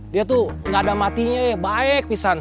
dia tuh gak ada matinya ya baik pisang